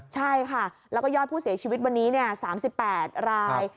ใช่ค่ะแล้วก็ยอดผู้เสียชีวิตวันนี้๓๘ราย